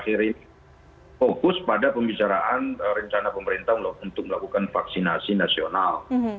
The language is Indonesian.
karena itu komisi sembilan memang fokus pada pembicaraan rencana pemerintah untuk melakukan vaksinasi nasional